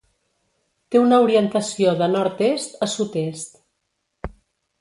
Té una orientació de nord-est a sud-est.